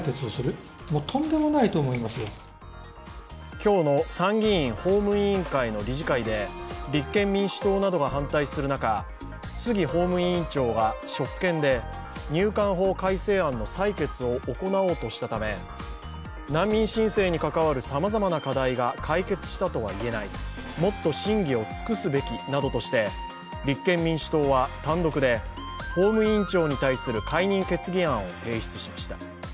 今日の参議院法務委員会の理事会で立憲民主党などが反対する中、杉法務委員長が職権で入管法改正案の採決を行おうとしたため難民申請に関わるさまざまな課題が解決したとは言えない、もっと審議を尽くすべきなどとして、立憲民主党は単独で法務委員長に対する解任決議案を提出しました。